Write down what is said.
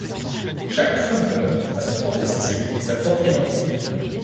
Chaque krumper a son propre style et sa propre identité.